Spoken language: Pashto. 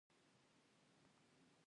الله ستاسو سره دی